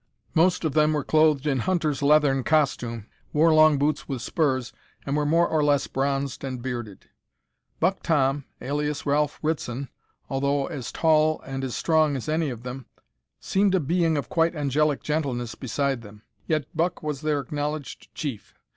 Most of them were clothed in hunters' leathern costume, wore long boots with spurs, and were more or less bronzed and bearded. Buck Tom, alias Ralph Ritson, although as tall and strong as any of them, seemed a being of quite angelic gentleness beside them. Yet Buck was their acknowledged chief.